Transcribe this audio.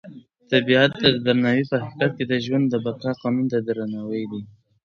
طبیعت ته درناوی په حقیقت کې د ژوند د بقا قانون ته درناوی دی.